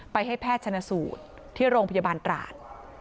ให้แพทย์ชนสูตรที่โรงพยาบาลตราด